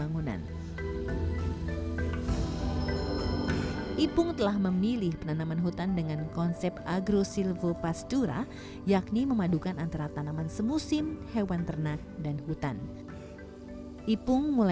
oh sudah berhasil nih untuk eventnya